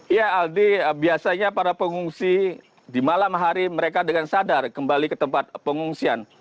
ya aldi biasanya para pengungsi di malam hari mereka dengan sadar kembali ke tempat pengungsian